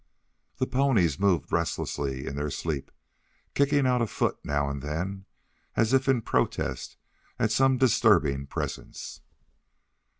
The ponies moved restlessly in their sleep, kicking out a foot now and then, as if in protest at some disturbing presence.